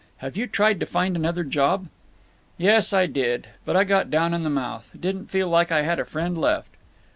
Have you tried to find another job?" "Yes, I did. But I got down in the mouth. Didn't feel like I had a friend left."